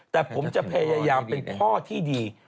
แต่ผมจะพยายามเป็นพ่อที่ดี